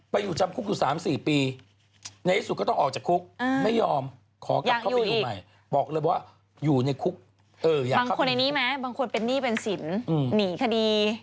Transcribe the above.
ไปอยู่จำคุกตุ๋น๓๔ปี